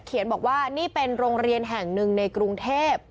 บอกว่านี่เป็นโรงเรียนแห่งหนึ่งในกรุงเทพ